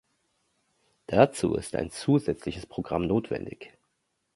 Dazu ist ein zusätzliches Programm notwendig.